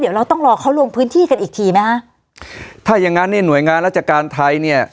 เดี๋ยวเราต้องรอเขาลงพื้นที่กันอีกทีไหมฮะถ้าอย่างงั้นเนี่ยหน่วยงานราชการไทยเนี่ย